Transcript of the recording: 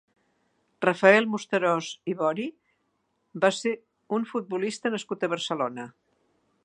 Rafael Musterós i Bori va ser un futbolista nascut a Barcelona.